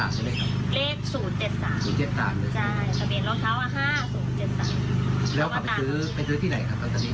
แล้วหัวนี้เขาซื้อมาเวลาทุกปีไหม